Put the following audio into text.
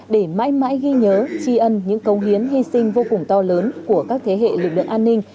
để mãi mãi ghi nhớ tri ân những công hiến hy sinh vô cùng to lớn của các thế hệ lực lượng an ninh